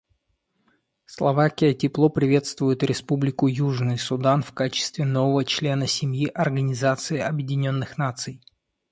Словакия тепло приветствует Республику Южный Судан в качестве нового члена семьи Организации Объединенных Наций.